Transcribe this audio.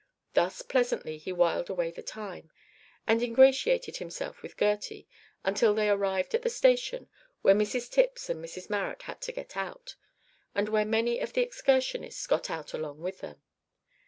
Thus pleasantly he whiled away the time, and ingratiated himself with Gertie, until they arrived at the station where Mrs Tipps and Mrs Marrot had to get out, and where many of the excursionists got out along with them.